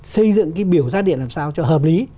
xây dựng cái biểu giá điện làm sao cho hợp lý